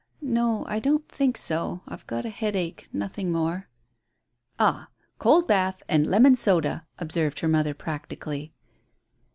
"No, I don't think so. I've got a headache nothing more." "Ah; cold bath and lemon soda," observed her mother practically.